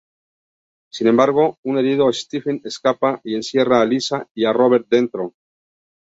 Sin embargo, un herido Stepan escapa y encierra a Alisa y a Robert dentro.